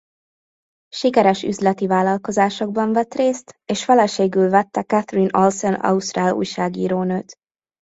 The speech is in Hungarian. Sikeres üzleti vállalkozásokban vett részt és feleségül vette Catherine Olsen ausztrál újságírónőt.